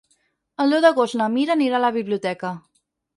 El deu d'agost na Mira anirà a la biblioteca.